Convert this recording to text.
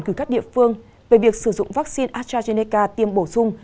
từ các địa phương về việc sử dụng vaccine astrazeneca tiêm bổ sung